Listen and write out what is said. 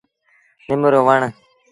نم رو وڻ ۔